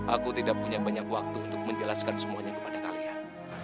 aku tidak punya banyak waktu untuk menjelaskan semuanya kepada kalian